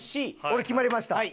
俺決まりました！